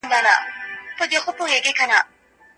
هغه ځوانان چي مطالعه کوي د ټولني روښانه راتلونکی دی.